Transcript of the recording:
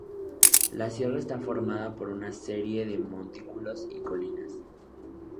La sierra está formada por una serie de montículos y colinas.